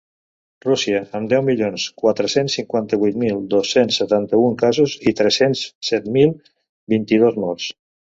Rússia, amb deu milions quatre-cents cinquanta-vuit mil dos-cents setanta-un casos i tres-cents set mil vint-i-dos morts.